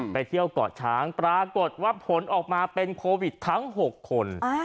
ไปเที่ยวเกาะช้างปรากฏว่าผลออกมาเป็นโควิดทั้ง๖คน